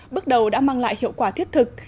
bước đầu đã mang lại hiệu quả thiết thực